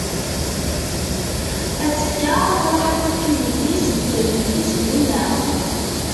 Azekka ad truḥ ad taf tilelli-s d talwit-is dinna.